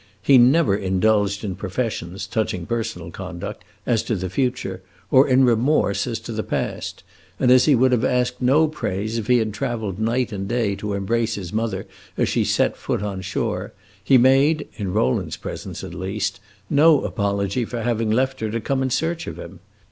He never indulged in professions (touching personal conduct) as to the future, or in remorse as to the past, and as he would have asked no praise if he had traveled night and day to embrace his mother as she set foot on shore, he made (in Rowland's presence, at least) no apology for having left her to come in search of him.